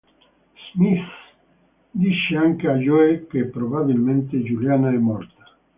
Smith dice anche a Joe che probabilmente Juliana è morta.